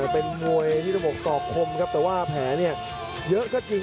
เป็นมวยที่ต้องบอกตอกคมครับแต่ว่าแผลเนี่ยเยอะก็จริง